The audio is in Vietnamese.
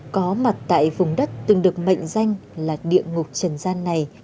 có mặt tại vùng đất từng được mệnh danh là địa ngục trần gian này